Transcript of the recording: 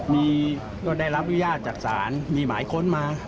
มีเราได้รับอนุญาตศักดิ์ศาสตร์มีหมายค้นมา